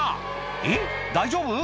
えっ大丈夫？